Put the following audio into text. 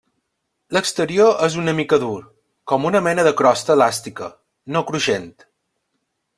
L'exterior és una mica dur, com una mena de crosta elàstica, no cruixent.